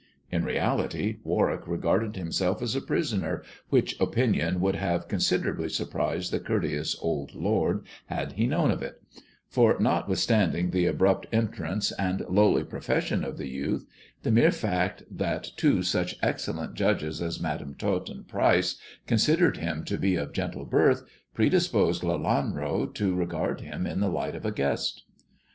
In reality Warwick regarded himself as a prisoner, which opinion would have consider ably surprised the courteous old lord had he known of it ; for notwithstanding the abrupt entrance and lowly. pro 62 THE dwarf's chamber fession of the youth, the mere fact that two such excellent judges as Madam Tot and Pryce considered him to be of gentle birth, predisposed Lelanro to regard him in the light of a guest.